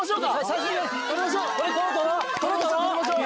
撮りましょう。